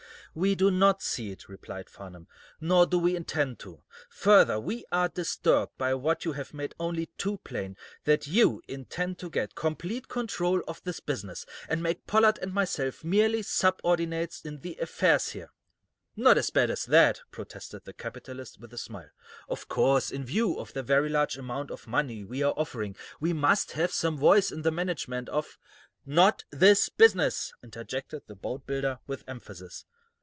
"We do not see it," replied Farnum. "Nor do we intend to. Further, we are disturbed by what you have made only too plain, that you intend to get complete control of this business, and make Pollard and myself merely subordinates in the affairs here." "Not as bad as that," protested the capitalist, with a smile. "Of course, in view of the very large amount of money we are offering, we must have some voice in the management of " "Not this business!" interjected the boatbuilder, with emphasis.